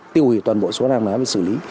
tiêu hủy toàn bộ số năng lá và xử lý